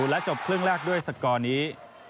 และจบครึ่งแรกด้วยสกอร์นี้